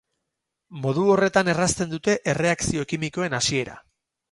Modu horretan errazten dute erreakzio kimikoen hasiera.